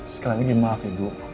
sekalian lagi maaf ibu